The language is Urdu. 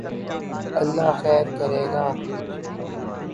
اللہ خیر کرے گا